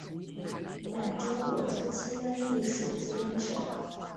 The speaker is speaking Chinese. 满洲国初期仍隶属吉林省。